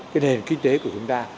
cái nền kinh tế của chúng ta